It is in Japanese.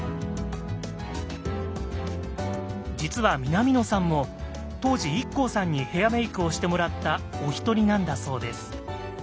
実は南野さんも当時ＩＫＫＯさんにヘアメイクをしてもらったお一人なんだそうです。